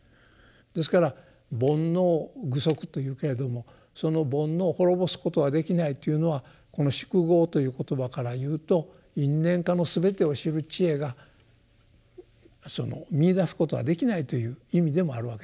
ですから「煩悩具足」と言うけれどもその煩悩を滅ぼすことができないっていうのはこの「宿業」という言葉から言うと「因・縁・果」の全てを知る智慧が見いだすことができないという意味でもあるわけですね。